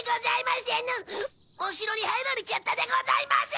お城に入られちゃったでございます！